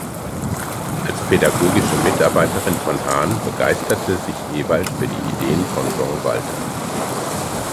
Als pädagogische Mitarbeiterin von Hahn begeisterte sich Ewald für die Ideen von Jean Walter.